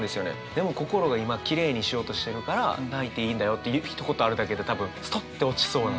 でも心が今きれいにしようとしてるから泣いていいんだよっていうひと言あるだけで多分ストンって落ちそうなので。